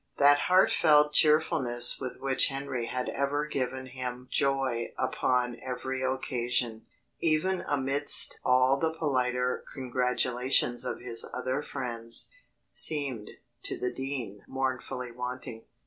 That heartfelt cheerfulness with which Henry had ever given him joy upon every happy occasion even amidst all the politer congratulations of his other friends seemed to the dean mournfully wanting.